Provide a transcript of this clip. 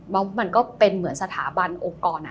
แล้วมันก็เป็นเหมือนสถาบันอกรณ์